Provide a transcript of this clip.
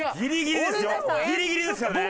ギリギリですからね。